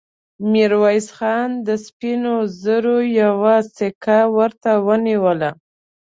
ميرويس خان د سپينو زرو يوه سيکه ورته ونيوله.